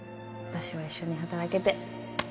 私は一緒に働けて